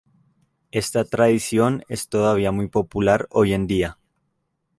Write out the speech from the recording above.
Esta tradición es todavía muy popular hoy en día.